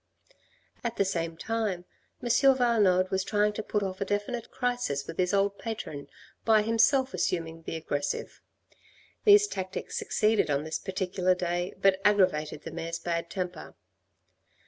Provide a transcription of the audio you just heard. At the same time M. Valenod was trying to put off a definite crisis with his old patron by himself assuming the aggressive. These tactics succeeded on this particular day, but aggravated the mayor's bad temper.